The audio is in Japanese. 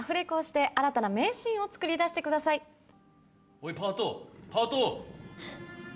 おいパートパート！